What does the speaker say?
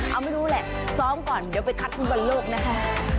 เอาไว้ดูแหละซ้อมก่อนเดี๋ยวไปคัดขึ้นบรรโลกนะคะ